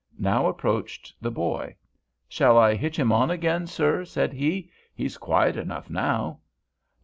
Now approached the boy. "Shall I hitch him on again, sir?" said he. "He's quiet enough now."